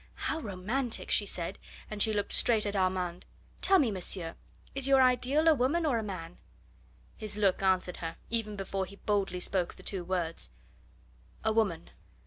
"How romantic!" she said, and she looked straight at Armand. "Tell me, monsieur, is your ideal a woman or a man?" His look answered her, even before he boldly spoke the two words: "A woman."